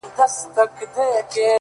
دا څه خبره ده! بس ځان خطا ايستل دي نو!